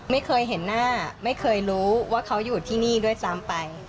ไม่เคยเห็นหน้าไม่เคยรู้ว่าเขาอยู่ที่นี่ด้วยซ้ำไป